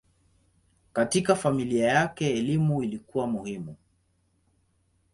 Katika familia yake elimu ilikuwa muhimu.